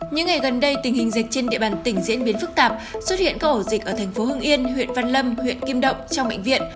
những ngày gần đây tình hình dịch trên địa bàn tỉnh diễn biến phức tạp xuất hiện các ổ dịch ở thành phố hưng yên huyện văn lâm huyện kim động trong bệnh viện